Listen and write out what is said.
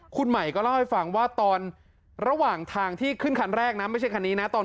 คุณไหม่ก็เล่าให้ฟังว่าตอนระหว่างทางที่ขึ้นคันแรกคือเป็นไหน